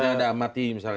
ada amati misalnya